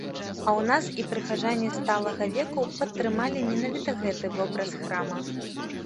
А ў нас і прыхаджане сталага веку падтрымалі менавіта гэты вобраз храма.